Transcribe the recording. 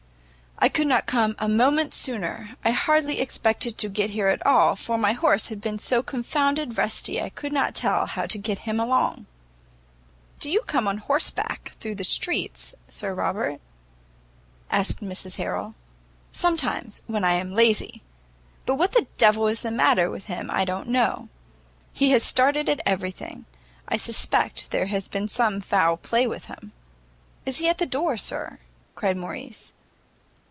"I could not come a moment sooner; I hardly expected to get here at all, for my horse has been so confounded resty I could not tell how to get him along." "Do you come on horseback through the streets, Sir Robert?" asked Mrs Harrel. "Sometimes; when I am lazy. But what the d l is the matter with him I don't know; he has started at everything. I suspect there has been some foul play with him." "Is he at the door, sir?" cried Morrice.